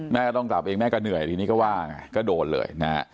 แม่ก็ต้องกลับเองแม่ก็เหนื่อยทีนี้ก็ว่าไงก็โดนเลยนะฮะ